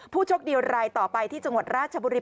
โชคดีรายต่อไปที่จังหวัดราชบุรี